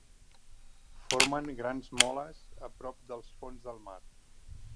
Formen grans moles a prop del fons del mar.